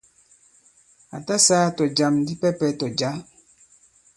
À ta sāā tɔ̀jam dipɛpɛ tɔ̀ jǎ.